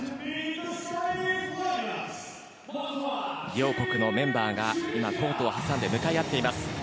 両国のメンバーが今、コートを挟んで向かい合っています。